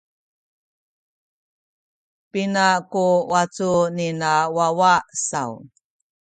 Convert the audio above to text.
Pina ku wacu nina wawa saw?